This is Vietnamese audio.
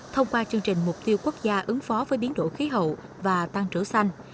thông qua chương trình mục tiêu quốc gia ứng phó với biến đổi khí hậu và tăng trưởng xanh